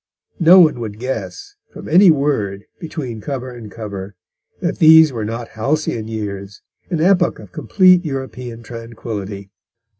No one would guess, from any word between cover and cover, that these were not halcyon years, an epoch of complete European tranquillity.